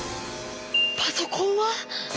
パソコンは？